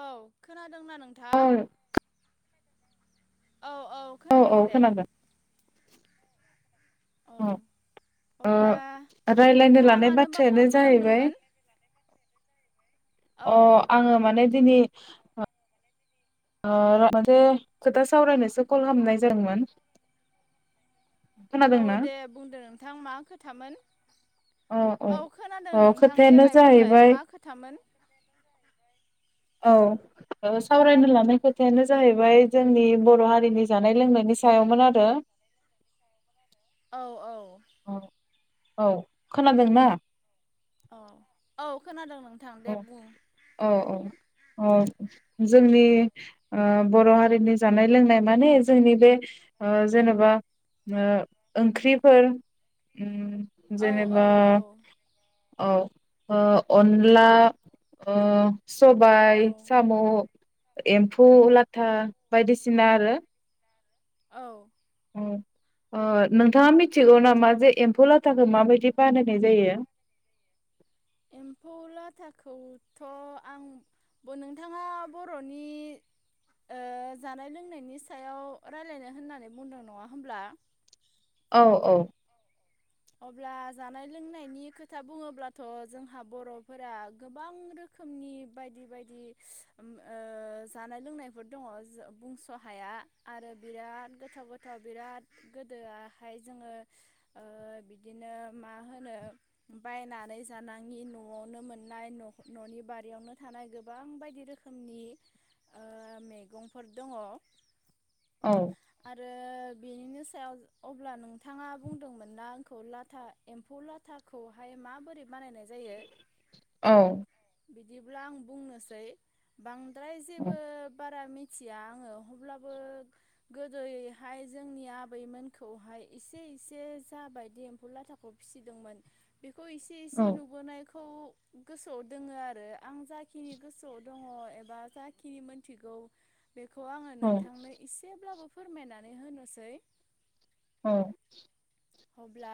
औ खोनादों दोंना औ नोंथां औ औ खोनादों दे औ ओ अब्ला रायलायनो नोंथाङा लानाय मानोबा बाथ्रायानो कल जाहैबाय खालामदोंमोन? अ औ आङो माने दिनै ओ मोनसे खोथा सावरायनोसो कल खालामनाय जादोंमोन औ खोनादोंना दे बुंदो नोंथां मा खोथामोन औ खोनादों औ नोंथां खोथायानो देलाय बुंलाय जाहैबाय मा खोथामोन औ सावरायनो लानाय खोथायानो जाहैबाय जोंनि बर' हारिनि जानाय लोंनायनि सायावमोन आरो औ औ औ खोनादोंना? औ औ खोनादों नों औ औ औ औ जोंनि ओ बर' हारिनि जानाय लोंनाय माने जोंनि बे ओ जेनेबा ओ ओंख्रिफोर ओम औ औ जेनेबा औ औ ओ अन ला ओ सबाय औ साम' एम्फौ लाथा बायदिसिना आरो औ ओ नोंथाङा मिथिगौ नामा जे एम्फौ लाथाखौ माबायदि बानायनाय जायो? एम्फौ लाथाखौथ' आं नोंथाङा बर'नि ओ जानाय लोंनायनि सायाव रायलायनो होननानै बुंदों नङा होमब्ला औ औ अब्ला जानाय लोंनायनि खोथा बुङोब्लाथ' जोंहा बर'फोरा गोबां रोखोमनि बायदि बायदि ओ जानाय लोंनायफोर दङ बुंस' हाया आरो बिराद गोथाव गोथाव बिराद गोदोआहाय जोङो बिदिनो मा होनो बायनानै जानाङि न'आवनो मोननाय न'नि बारियावनो थानाय गोबां बायदि रोखोमनि ओ मैगंफोर दङ औ आरो बेनिनो सायाव अब्ला नोंथाङा बुंदोंमोन ना लाथा एम्फौ लाथाखौहाय माबोरै बानायनाय जायो? औ बिदिब्ला आं बुंनोसै बां द्राय जेबो बारा मिन मिथिया आङो अब्लाबो गोदोयैहाय जोंनि आबैमोनखौहाय एसे एसे जाबाय [unintelligible] एम्फु लाथाखौ फिसिदोंमोन इसे औ इसे नुबोनायखौ खौ गोसोआव दोङो आरो आं जाखिनि गोसोआव दङ एबा जाखिनि मोनथिगौ बेखौ आङो औ नोंथांनो एसेब्लाबो फोरमायनानै होनोसै। औ। अब्ला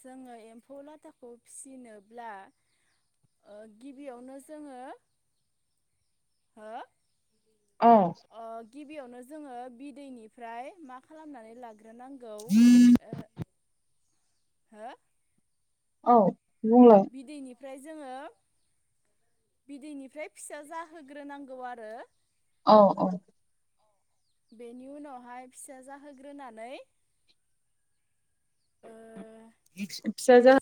जोङो एम्फौ लाथाखौ फिसिनोब्ला गिबियावनो जोङो हो औ। ओ गिबियावनो जोङो बिदैनिफ्राय मा खालामनानै लागोन। हाग्रोनांगौ ओ हो औ। बुंलाय ओमफ्राय जोङो बिदैनिफ्राय फिसा जाहोग्रोनांगौ आरो। औ औ। बेनि उनावहाय फिसा जाहोग्रोनानै ओ फिसा जा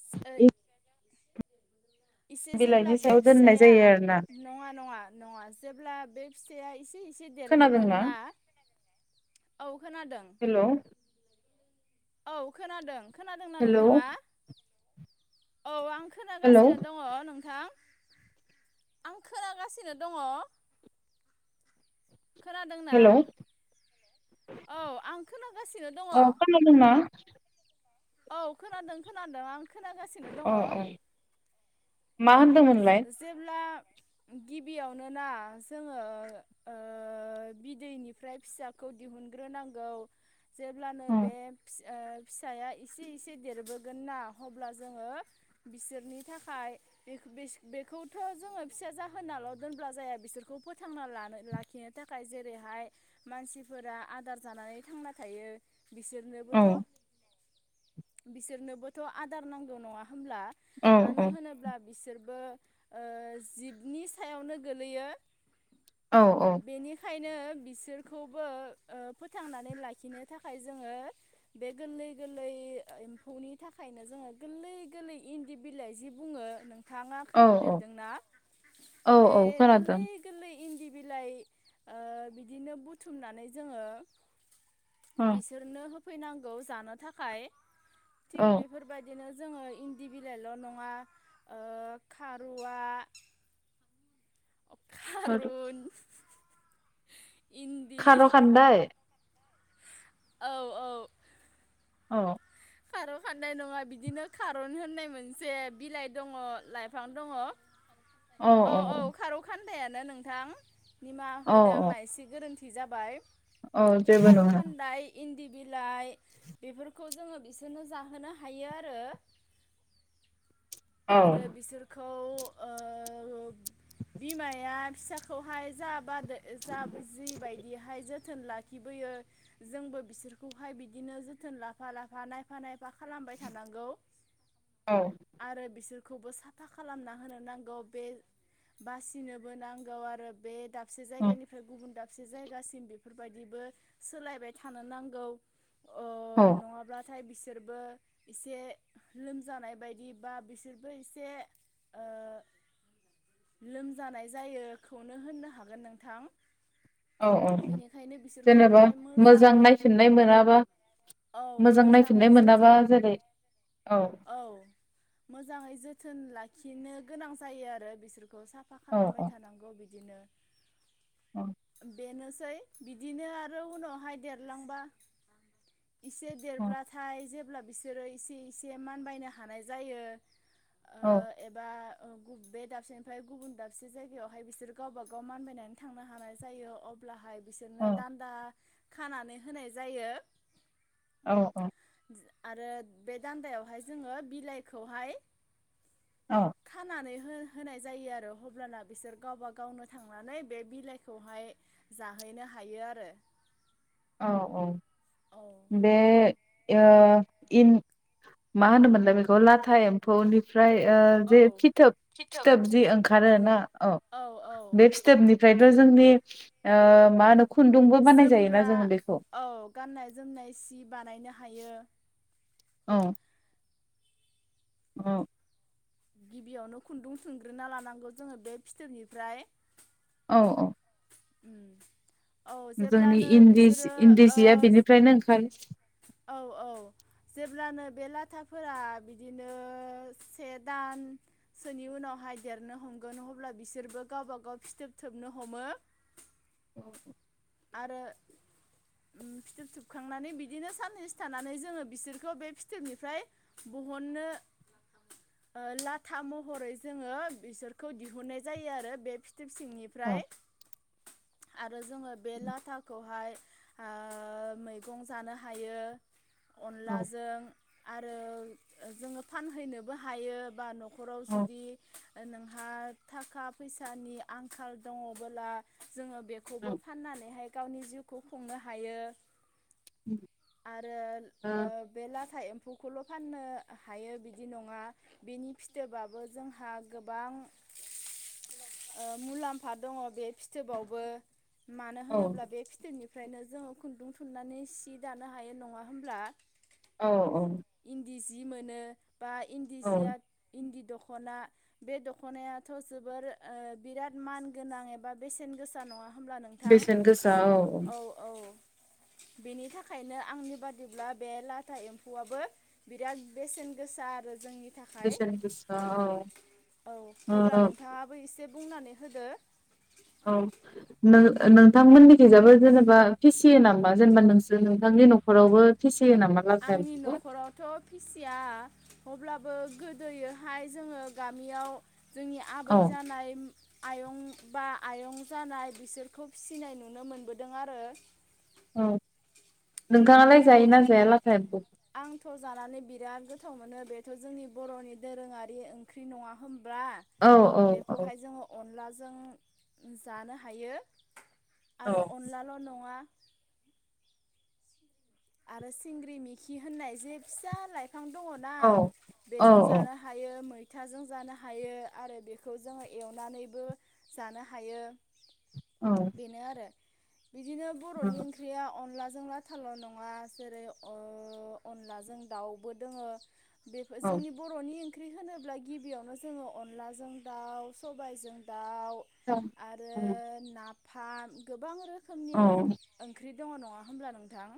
इसे जेब्ला बे सायाव दोननाय फिसाया जायो आरो ना नङा नङा। नङा जेब्ला बे फिथाइआ एसे एसे देरबोगोन खोनादोंना ना औ। खोनादों। हेलौ औ खोनादों। खोनादोंना हेलौ नोंथाङा? औ। हेलौ खोनागासिनो दङ नोंथां आं खोनागासिनो दङ। खोनादोंना हेलौ औ आं खोनागासिनो दङ? अ खोनादोंना औ खोनादों खोनादों आं। खोनागासिनो दङ अ औ अ मा होनदोंमोनलाय जेब्ला गिबियावनोना जोङो बिदैनिफ्राय फिसाखौ दिहुनग्रोनांगौ जेब्लानो औ बे फि ओ फिसाया इसे इसे देरबोगोन ना अब्ला जोङो बिसोरनि थाखाय बेखौथ' जोङो फिसा जाहोनाल' दोनब्ला जाया बिसोरखौ फोथांना लानो लाखिनो थाखाय जेरैहाय मानसिफोरा आदार जानानै थांना थायो। औ बिसोरनोबोथ' बिसोरनोबोथ' आदार नांगौ नङा हो होनब्ला औ औ मानो होनोब्ला बिसोरबो जिबनि सायावनो गोलैयो। औ औ नो बिसोरखौबो ओ फोथांनानै लाखिनो थाखाय जोङो बे गोरलै गोरलै गोरलै ओ एम्फौनि थाखायनो जोङो गोरलै गोरलै इन्दि बिलाइ जि बुङो। थाङा औ खोनाफेरदोंना औ बे औ खोनादों गोरलै गोरलै इन्दि बि बिलाइ ओ बिदिनो बुथुमनानै जोङो औ बिसोरनो फैनांगौ जानो थाखाय। खाय थिग औ बेफोरबायदिनो। जोङो इन्दि बिलाइल' नङा ओ खारुवा खारुन इन्दि खार' खान्दाय औ औ औ खारौ खान्नाय नङा बिदिनो खारन होननाय मोनसे बिलाइ दङ लाइफां दङ। औ औ औ खोनायानो नोंथां। निमाहा होदों औ आंना एसे गोरोन्थि थि जाबाय औ जेबो नङा खार'खानदाय इन्दि बिलाइ बेफोरखौ जोङो बि रनो जाहोनो हायो आरो औ आरो बिसोरखौ ओ बिमाया फिसाखौहाय जा बाद जा जि बायदिहाय जो जोथोन लाखिबोयो जोंबो बिसोरखौहाय बिदिनो जोथोन लाफा लाफा नायफ नायफा फा खालामबाय थानांगौ औ आरो बिसोर खौबो साफा खालामना होनो नांगौ बे बासिनोबो नांगौ आरो बे दाबसे जायगानिफ्राय गुबुन दाब से जायगासिम बेफोरबायदिबो सोलायबाय थानो नांगौ। औ थाय बिसो बिसोरबो एसे लोमजानाय बायदि बा बिसोरबो एसे ओ लोमजानाय जायोखौनो होननो हागोन नोंथां। औ औ औ बेनिखायनो जेनेबा बिसोरखौहाय मोजां मोजाङै नायफिननाय मोनाबा औ मोजां मोजाङै नायफिननाय मोनाबा जोथोन जेरै औ औ मोजाङै जोथोन लाखिनो गोनां जायो आरो बिसोर खौ साफा औ खालामबाय औ थानांगौ बिदिनो औ बेनोसै बिदिनो आरो उनावहाय देरलांबा इसे औ देरब्लाथाय जेब्ला बिसोरो इसे इसे मानबायनो हानाय जायो ओ औ एबा बे दाबसेनिफ्राय गुबुन दाबसे जायगायावहाय बिसोर गावबा गाव मानबायनानै थांनो हानाय जायो अब्लाहाय बिसोरनो औ दानदा खानानै होनाय जायो औ औ आरो बे दान्दायावहाय जोङो बिलाइखौहाय औ खानानै हो-होनाय जायो आरो अब्लाना बिसोर गावबा गावनो थांनानै बे बिलाइ खौहाय जाहैनो हायो आरो औ औ औ बे ओ इन मा होनोमोनलाय बेखौ लाथा एम्फौनिफ्राय ओमफ्राय ओ जे औ फिथोब फिथोब जि ओं आरोना औ बे फिथोबनि ओमफ्रायथ' जोंनि ओ मा होनो खुन्दुंबो बानायजायो ना जोमग्रा जों औ गाननाय जोमनाय सि बानायनो हायो औ औ गिबियावनो खुन्दुं थुनग्रोना लानांगौ जोङो बे फिथोबनिफ्राय औ औ उम जोंनि इन्दि सि इन्दि जिया ओ बेनिफ्रायनो ओंखारो औ औ जेब्लानो बे लाथाफोरा बिदिनो से दानसोनि उनावहाय देरनो हमगोन अब्ला बिसोरबो गावबा गाव फिथोब थोबनो हमो आरो ओ फिथोब सोबखांनानै बिदिनो साननैसो थानानै जोङो बिसोरखौ बे फिथोबनिफ्राय बहननो ओ लाथा महरै जोङो बिसोरखौ दिहुननाय जायो आरो बे फि फिथोब औ सिंनिफ्राय आरो जोङो बे लाथाखौहाय आ ओ मैगं जानो हायो औ अनलाजों आरो जोङो फानहैनोबो हायो बा नखराव औ जुदि नोंहा थाखा फैसानि आंखाल दङबोला जोङो बेखौबो फाननानैहाय गावनि जिउखौ खुंनो हायो आरो ओ बे लाथा एम्फौ खौल' फाननो हायो बिदि नङा बेनि फिथोबाबो जोंहा गोबां ओ मुलाम्फा दङ बे फिथोबावबो मानो ओ होनोब्ला बे फिथोबनि ओफ्रायनो जोङो खुन्दुं थुननानै सि दानो हायो नङा होमब्ला औ औ न्दि जि मोनो बा इन्दिजिया औ इन्दि दख'ना बे दख'नायाथ' जोबोर ओ बिराद मान गोनां एबा बेसेन गोसा नङा होमब्ला नोंथां औ औ बेनि थाखायनो आंनि बादिब्ला बे लाथा एम्फौआबो बिराद बेसेन गोसा आरो जोंनि थाखाय बेसेन गोसा औ अब्ला औ नोंथाङाबो एसे बुंनानै होदो औ नोंथांमोननि गैजाबो जेनेबा फिसियो नामा जेनेबा नोंसोर नोंथांनि न'खरावबो फिसि आंनि न'खरावथ' फिसिया अब्लाबो गोदोहाय जोङो गामियाव जोंनि आबै औ जानाय आयं बा आयं जानाय बिसोरखौ फिसिनाय नुनो मोनबोदों आरो औ नोंथाङालाय जायोना जायालाथा एम्फौ खौ थ' जानानै बिराद गोथाव मोनो बेथ' जोंनि बर'नि दोरोङारि ओंख्रि नङा होमबा औ औ औ जों जानो हायो औ आरो अनलाल' नङा आरो सिंग्रि मिखि होननाय जे फिसा लाइफां बिफां दङ ना औ बेजों जानो हायो मै थाजों जानो हायो आरो बेखौ जोङो एवनानैबो जानो हायो औ बेनो आरो बिदिनो बर'नि ओंख्रिया अनलाजों जोंना [unintelligible] थालला' दं नङा जेरै अनलाजों दाउबो दोङो बेफोर औ जोंनि बर'नि ओंख्रि होनोब्ला गिबियावनो जोङो अनलाजों दाउ सबायजों दा औ ओं फा गोबां रो औ दङ नङा होमब्ला नोंथां।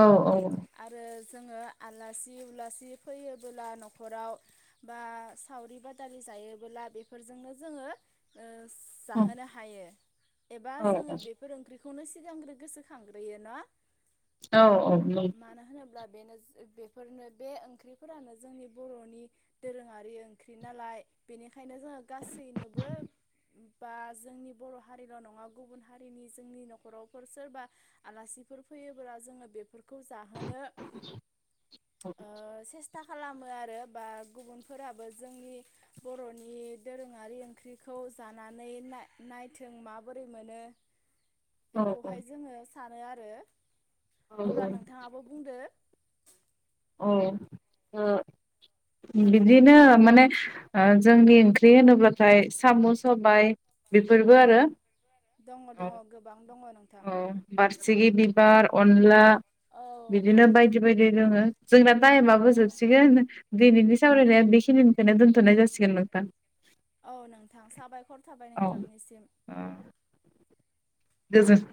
औ औ आरो जोङो आलासि उलासि फैयोबोला न'खराव बा सावरि बादालि जायोबोला बेफोरजोंनो जोङो ओ जाहोनो हायो। एबा जोङो बेफोर ओंख्रि खौनो सिगांग्रो गोसोखांग्रोयो नआ औ औ नं बेनोज बेफोरनो बे ओंख्रिफोरानो जोंनि बर'नि दोरोङारि ओंख्रि नालाय बेनिखायनो जोङो गासैनोबो बा जोंनि बर' हारिल' नङा गुबुन हारिनि जोंनि न'खरावफोर सोरबा आलासिफोर फैयोब्ला जोङो बेफोर खौ जाहोनो ओ सेस था खालामो आरो बा गुबुनफोराबो जोंनि बर'नि दोरोङारि ओंख्रिखौ जानानै ना-नायथों माबोरै मोनो। बेखौहाय जोङो सानो आरो औ अब्ला नोंथाङाबो बुंदो। औ ओ बिदिनो माने ओ जोंनि ओंख्रि होनोब्लाथाय साम' सबाय बेफोरबो औ आरो दङ औ दङ गोबां दङ नों औ बारसे बिबार अनला औ बिदिनो बायदि बायदि दोङो। जोंना टाइमाबो औ जोबसिगोन दिनैनि सावरायनाया बेखिनिनखोनो दोन्थ'नाय जासिगोन नोंथां। औ नोंथां साबायखर थाबाय औ नोंथांनिसिम। गोजोन